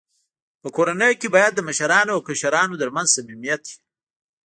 په کورنۍ کي باید د مشرانو او کشرانو ترمنځ صميميت وي.